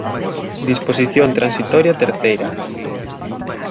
Disposición transitoria terceira.